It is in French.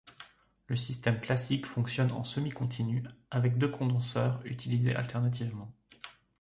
Le système classique fonctionne en semi-continu avec deux condenseurs utilisés alternativement.